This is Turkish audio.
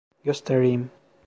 Göstereyim.